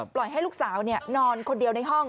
ให้ลูกสาวนอนคนเดียวในห้อง